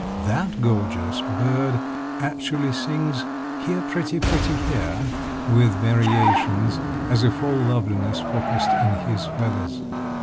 That gorgeous bird actually sings, "Here pretty, pretty here!" with variations, as if all loveliness focused in his feathers.